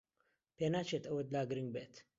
پێناچێت ئەوەت لا گرنگ بێت.